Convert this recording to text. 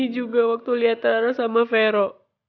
ini juga waktu liat rara sama vero